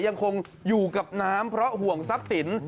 ยังคงอยู่กับน้ำเพราะห่วงทรัพย์สิน